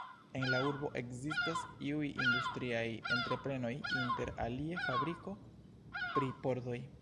En la urbo ekzistas iuj industriaj entreprenoj, inter alie fabriko pri pordoj.